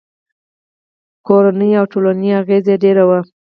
کورنیو او ټولنې اغېز ډېر و.